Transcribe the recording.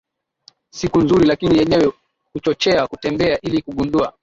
siku nzuri lakini yenye kuchochea kutembea ili kugundua